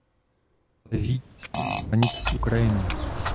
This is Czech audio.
Leží těsně u hranic s Ukrajinou.